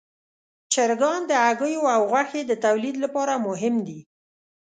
چرګان د هګیو او غوښې د تولید لپاره مهم دي.